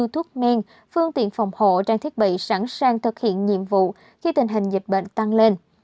thuốc men phương tiện phòng hộ trang thiết bị sẵn sàng thực hiện nhiệm vụ khi tình hình dịch bệnh tăng lên